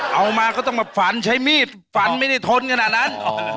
เอามาก็ต้องใช้มีดแผ่งด้วยฟันไม่ได้ทนขนาดนั้น